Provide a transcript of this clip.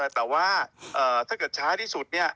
แต่ว่าถ้าเกิดช้าที่สุด